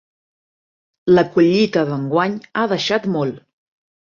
La collita d'enguany ha deixat molt.